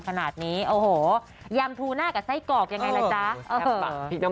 ไม่ได้เรียกพริกน้ำปลาหรือน้ำปลาพริกอะ